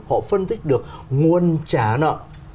họ phân tích được nguồn trả nợ